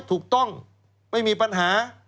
ถูกต้องไม่มีปัญหา